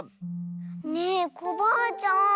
ねえコバアちゃん